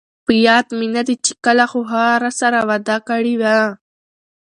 په ياد مې ندي چې کله، خو هغه راسره وعده کړي وه